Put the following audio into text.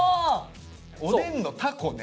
おでんのタコね。